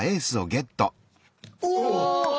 お！